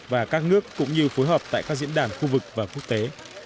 và các nước cũng như phối hợp tại các diễn đàn khu vực và quốc tế